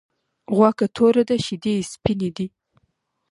غوا که توره ده شيدې یی سپيني دی .